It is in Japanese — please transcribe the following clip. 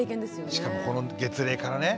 しかもこの月齢からね。